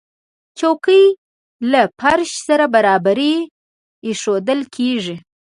چوکۍ له فرش سره برابرې ایښودل کېږي.